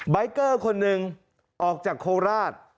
บ๊ายเกอร์คนหนึ่งออกจากโฆราศ